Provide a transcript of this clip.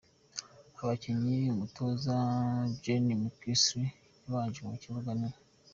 Abakinnyi umutoza Johnny Mckinstry yabanje mu kibuga ni:.